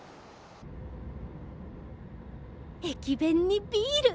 駅弁にビール！